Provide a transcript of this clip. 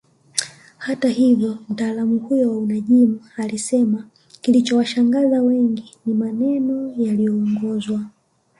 Hata hivyo mtaalam huyo wa unajimu alisema kilichowashangaza wengi ni maneno yaliyoongozwa